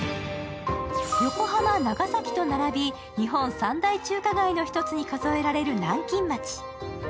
横浜、長崎と並び日本三大中華街の１つに数えられる南京町。